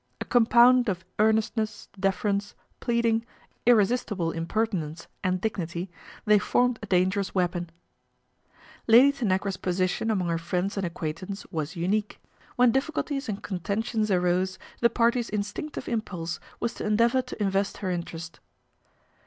A compound of earnestness, deference, ^leading, irresistible impertinence and dignity, .hey formed a dangerous weapon. Lady Tanagra's position among her friends and 124 PATRICIA BRENT, SPINSTER acquaintance was unique. When difficulties and contentions arose, the parties' instinctive impulse was to endeavour to invest her interest.